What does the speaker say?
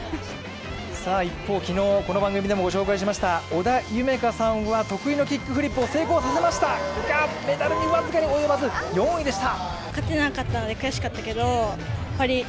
一方、昨日この番組でもご紹介しました織田夢海さんは得意のキックフリップを成功させましたが、メダルに僅かに及ばず、４位でした。